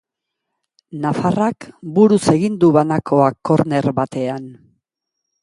Nafarrak buruz egin du banakoa korner batean.